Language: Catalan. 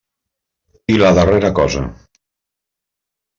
I la darrera cosa.